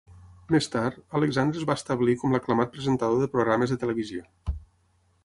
Més tard, Alexandre es va establir com l'aclamat presentador de programes de televisió.